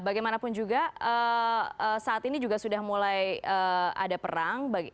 bagaimanapun juga saat ini juga sudah mulai ada perang